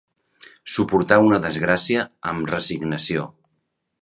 Suportar una desgràcia amb resignació.